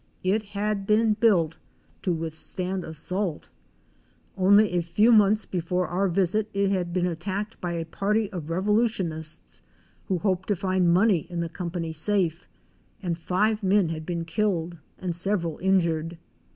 It had been built to withstand assault. Only a few months before our visit it had been attacked by a party of Revolu tionists who hoped to find money in the company safe; and five men had been killed and several injured.